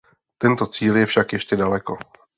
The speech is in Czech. Tento cíl je však ještě daleko.